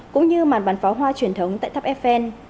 cũng như màn bắn pháo hoa truyền thống tại tháp eiffel